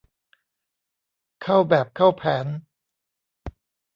เข้าแบบเข้าแผน